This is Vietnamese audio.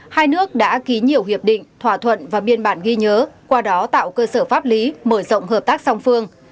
hai nước đã ký nhiều hiệp định thỏa thuận và biên bản ghi nhớ qua đó tạo cơ sở pháp lý mở rộng hợp tác song phương